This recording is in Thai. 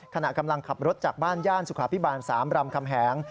ขณะกำลังขับรถจากบ้านย่านสุขาพิบาล๓รำคำแหง